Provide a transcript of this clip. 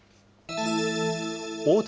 大手